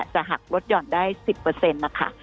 จะหักลดห่อนได้๑๐นะคะ